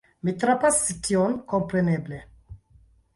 Mi trapasis tion, kompreneble.